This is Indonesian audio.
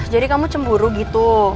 jadi kamu cemburu gitu